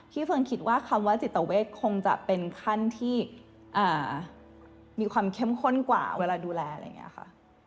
เฟิร์นคิดว่าคำว่าจิตเวทคงจะเป็นขั้นที่มีความเข้มข้นกว่าเวลาดูแลอะไรอย่างนี้ค่ะ